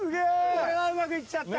これはうまく行っちゃった。